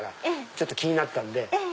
ちょっと気になったんで。